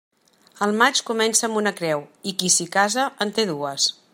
El maig comença amb una creu, i qui s'hi casa en té dues.